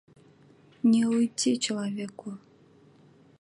Не уйти человеку!